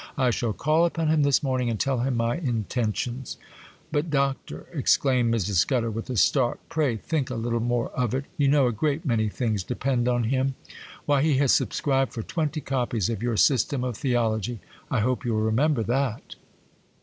I shall call upon him this morning and tell him my intentions.' 'But, Doctor,' exclaimed Mrs. Scudder, with a start, 'pray, think a little more of it. You know a great many things depend on him. Why! he has subscribed for twenty copies of your "System of Theology." I hope you'll remember that.